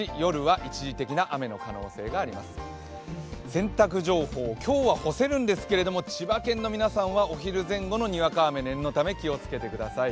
洗濯情報、今日は干せるんですけれども、千葉県の皆さんはお昼前後のにわか雨、念のため、気をつけてください。